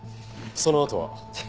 そのあとは？